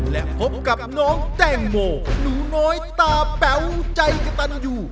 และพบกับน้องแตงโมหนูน้อยตาแป๋วใจกระตันอยู่